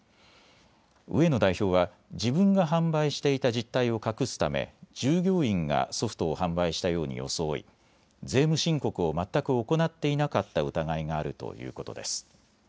植野代表は自分が販売していた実態を隠すため従業員がソフトを販売したように装い、税務申告を全く行っていなかった疑いがあるということです。